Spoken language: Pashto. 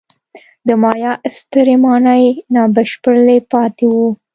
د مایا سترې ماڼۍ ناسپړلي پاتې وو.